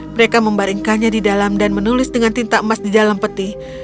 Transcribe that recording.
mereka membaringkannya di dalam dan menulis dengan tinta emas di dalam peti